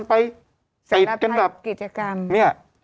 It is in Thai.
ไปเก็บกันแบบเนี่ย